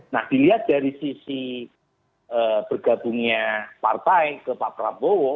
nah dilihat dari sisi bergabungnya partai ke pak prabowo